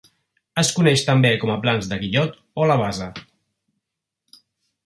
Es coneix també com a Plans de Guillot o la Bassa.